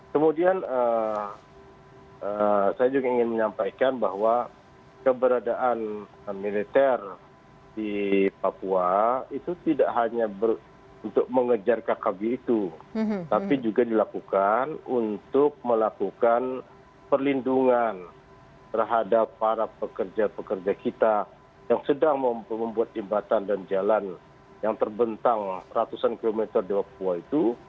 kemudian saya juga ingin menyampaikan bahwa keberadaan militer di papua itu tidak hanya untuk mengejar kakak gitu tapi juga dilakukan untuk melakukan perlindungan terhadap para pekerja pekerja kita yang sedang membuat imbatan dan jalan yang terbentang ratusan kilometer di papua itu